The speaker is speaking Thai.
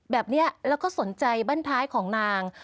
แบบนี้แล้วก็สนใจบ้านท้ายของนาง